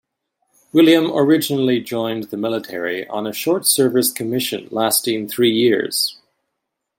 William originally joined the military on a short-service commission lasting three years.